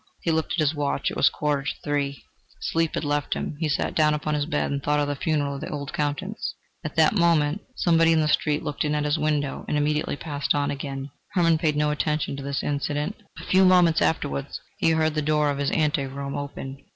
He looked at his watch: it was a quarter to three. Sleep had left him; he sat down upon his bed and thought of the funeral of the old Countess. At that moment somebody in the street looked in at his window, and immediately passed on again. Hermann paid no attention to this incident. A few moments afterwards he heard the door of his ante room open.